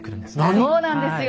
なぬ⁉そうなんですよ。